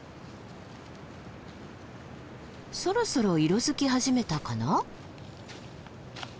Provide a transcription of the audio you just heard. そろそろ色づき始めたかな？